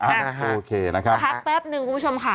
อ่านะคะโอเคนะครับค่ะพักแป๊บหนึ่งคุณผู้ชมค่ะ